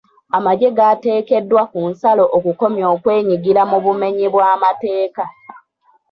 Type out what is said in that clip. Amagye gaateekeddwa ku nsalo okukomya okwenyigira mu bumenyi bw'amateeka.